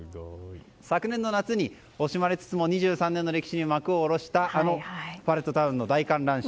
昨年の夏に惜しまれつつも２３年の歴史に幕を下ろしたあのパレットタウンの大観覧車。